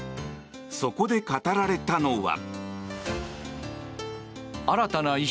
そこで語られたのは。